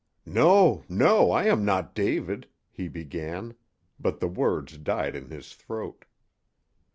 "No, no, I am not David," he began, but the words died in his throat.